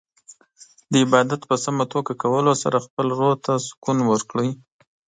د عبادت په سمه توګه کولو سره خپل روح ته سکون ورکړئ.